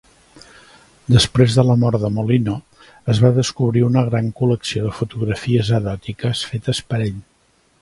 Després de la mort de Mollino, es va descobrir una gran col·lecció de fotografies eròtiques fetes per ell.